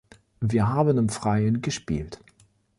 Wir haben im Freien gespielt.